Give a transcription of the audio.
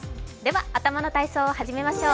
頭の体操を始めましょう。